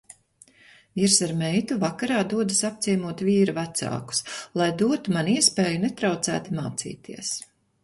Vīrs ar meitu vakarā dodas apciemot vīra vecākus, lai dotu man iespēju netraucēti mācīties.